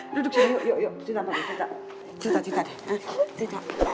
duduk sini yuk cinta sama gue cinta deh